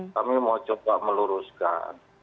kami mau coba meluruskan